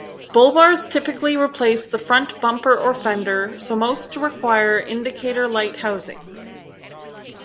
Bullbars typically replace the front bumper or fender, so most require indicator light housings.